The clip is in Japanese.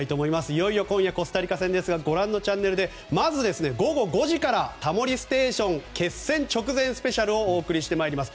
いよいよ今夜コスタリカ戦ですがご覧のチャンネルでまず午後５時から「タモリステーション」決戦直前スペシャルをお送りします。